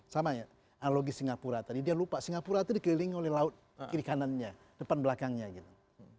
sama ya analogi singapura tadi dia lupa singapura itu dikelilingi oleh laut kiri kanannya depan belakangnya gitu